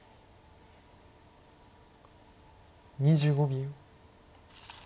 ２５秒。